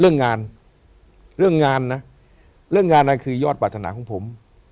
เรื่องงานเรื่องงานนะเรื่องงานนั้นคือยอดปรารถนาของผม